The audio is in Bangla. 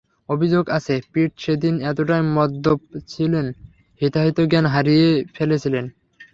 অভিযোগ আছে, পিট সেদিন এতটাই মদ্যপ ছিলেন, হিতাহিত জ্ঞান হারিয়ে ফেলেছিলেন।